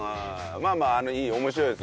まあまあいい面白いですよ